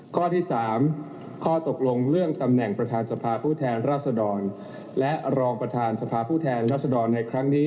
ข้อที่๓ข้อตกลงเรื่องตำแหน่งประธานสภาผู้แทนราษดรและรองประธานสภาผู้แทนรัศดรในครั้งนี้